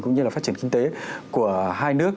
cũng như là phát triển kinh tế của hai nước